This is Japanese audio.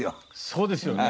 そうですよね。